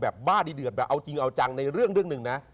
บ้าดีเดือดแบบเอาจริงเอาจังในเรื่องหนึ่งนะ